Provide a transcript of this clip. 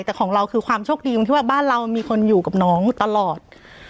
แต่ของเราคือความโชคดีตรงที่ว่าบ้านเรามีคนอยู่กับน้องตลอด